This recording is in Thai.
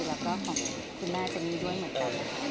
แล้วก็ของคุณแม่เจนี่ด้วยเหมือนกันนะคะ